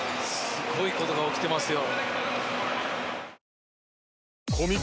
すごい事が起きてますよ。